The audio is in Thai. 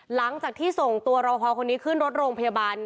หลังจากที่ส่งตัวรอพอคนนี้ขึ้นรถโรงพยาบาล